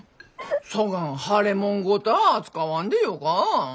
そがん腫れもんごた扱わんでよか。